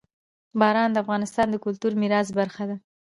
باران د افغانستان د کلتوري میراث برخه ده.